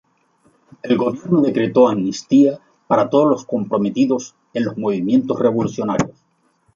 El Gobierno decretó amnistía para todos los comprometidos en los movimientos revolucionarios.